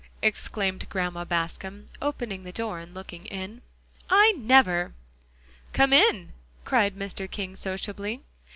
exclaimed Grandma Bascom, opening the door and looking in, "I never!" "Come in," cried Mr. King sociably.